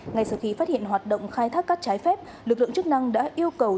ngay sau khi phát hiện hoạt động khai thác cát trái phép lực lượng chức năng đã yêu cầu